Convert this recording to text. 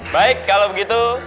baik kalau begitu